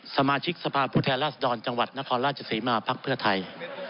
สมาชิกสภาพภูเทรสดอนจังหวัดนครราชสีมาพรรดิภักดิ์เพื่อไทย